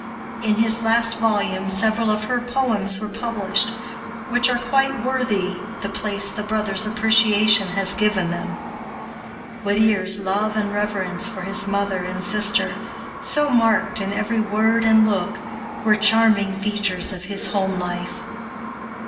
In his last volume several of her poems were published, which are quite worthy the place the brother's appreciation has given them. Whittier's love and reverence for his mother and sister, so marked in every word and look, were charming features of his home life.